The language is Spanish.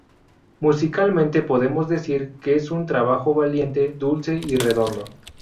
Musicalmente podemos decir que es un trabajo valiente, dulce y redondo.